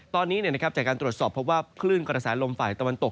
ตอนนี้จากการตรวจสอบพบว่าคลื่นกระแสลมฝ่ายตะวันตก